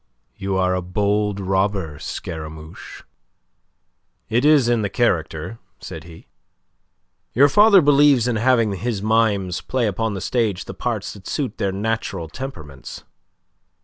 You are a bold robber, Scaramouche." "It is in the character," said he. "Your father believes in having his mimes play upon the stage the parts that suit their natural temperaments."